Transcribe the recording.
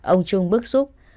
ông trung bức xúc